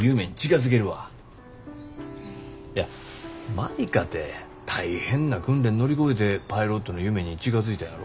舞かて大変な訓練乗り越えてパイロットの夢に近づいたんやろ。